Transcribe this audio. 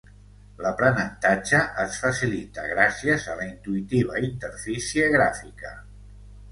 L'aprenentatge es facilita gràcies a la intuïtiva interfície gràfica.